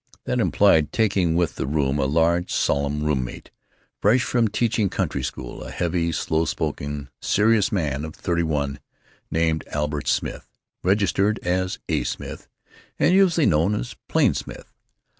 That implied taking with the room a large, solemn room mate, fresh from teaching country school, a heavy, slow spoken, serious man of thirty one, named Albert Smith, registered as A. Smith, and usually known as "Plain Smith."